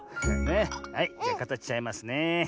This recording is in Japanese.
はいじゃかたしちゃいますねえ。